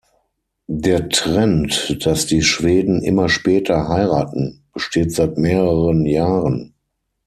Der Trend, dass die Schweden immer später heiraten, besteht seit mehreren Jahren.